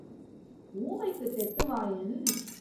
ஊமைக்குத் தெத்து வாயன் உயர்ந்த வாசாலகன்.